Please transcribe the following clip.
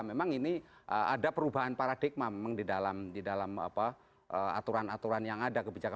memang ini ada perubahan paradigma memang di dalam aturan aturan yang ada